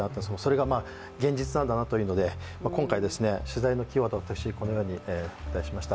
それが現実なんだなというので今回、取材のキーワードを私このようにしました。